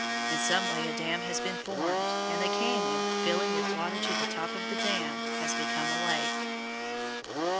In some way a dam has been formed, and the cañon, filling with water to the top of the dam, has become a lake.